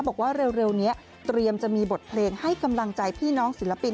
บอกว่าเร็วนี้เตรียมจะมีบทเพลงให้กำลังใจพี่น้องศิลปิน